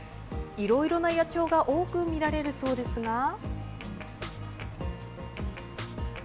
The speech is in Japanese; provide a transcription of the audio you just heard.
いろいろな野鳥が多く見られるそうですが。